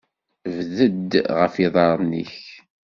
Bded ɣef yiḍarren-nnek.